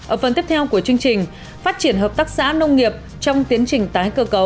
ở phần tiếp theo của chương trình phát triển hợp tác xã nông nghiệp trong tiến trình tái cơ cấu